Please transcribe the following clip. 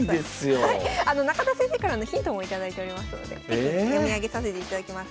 中田先生からのヒントも頂いておりますので適宜読み上げさせていただきます。